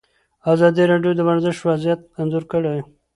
ازادي راډیو د ورزش وضعیت انځور کړی.